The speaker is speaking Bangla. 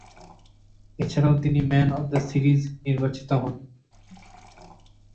এছাড়াও তিনি ম্যান অব দ্য সিরিজ নির্বাচিত হন।